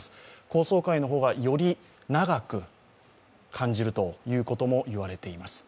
高層階の方が、より長く感じるということも言われています。